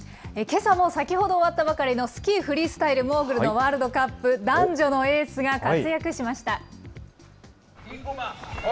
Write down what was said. けさも先ほど終わったばかりのスキーフリースタイルモーグルのワールドカップ、男女のエースが活躍しました。